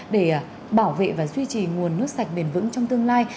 để bảo vệ và duy trì nguồn nước sạch bền vững trong tương lai